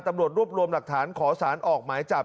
ตำรวจรวบรวมหลักฐานขอสารออกหมายจับ